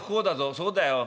そうだよ